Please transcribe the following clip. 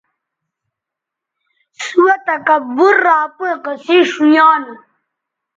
سُوہ تکبُر رے اپئیں قصے ݜؤیانوں